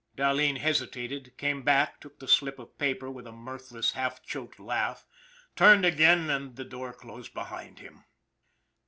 Dahleen hesitated, came back, took the slip of paper with a mirthless, half choked laugh, turned again, and the door closed behind him.